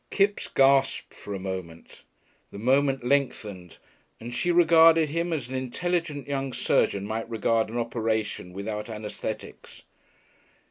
Kipps gasped for a moment. The moment lengthened, and she regarded him as an intelligent young surgeon might regard an operation without anæsthetics.